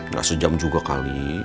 gak sejam juga kali